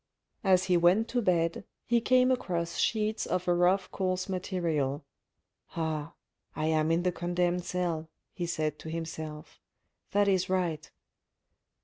As he went to bed, he came across sheets of a rough coarse material. " Ah ! I am in the condemned cell, he said to himself. That is right.